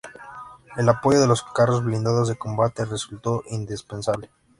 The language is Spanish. El apoyo de los carros blindados de combate resultó indispensable.